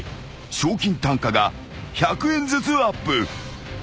賞金単価が１００円ずつアップ］